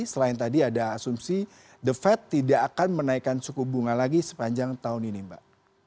selain tadi ada asumsi the fed tidak akan menaikkan suku bunga lagi sepanjang tahun ini mbak